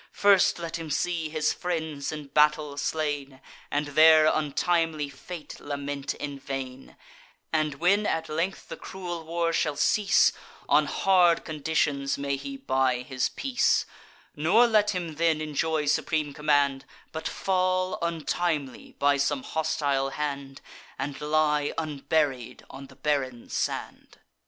First, let him see his friends in battle slain, And their untimely fate lament in vain; And when, at length, the cruel war shall cease, On hard conditions may he buy his peace: Nor let him then enjoy supreme command; But fall, untimely, by some hostile hand, And lie unburied on the barren sand!